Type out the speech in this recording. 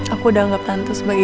aku udah anggap tante sebagai